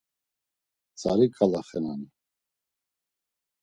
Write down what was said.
Tzariǩala xenani?